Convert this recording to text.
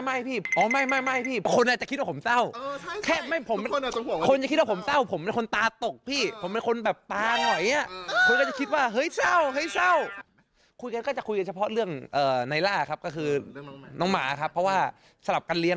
อ๋อไม่พี่อ๋อไม่พี่คนอ่ะจะคิดว่าผมเศร้าแค่ไม่ผมคนจะคิดว่าผมเศร้าผมเป็นคนตาตกพี่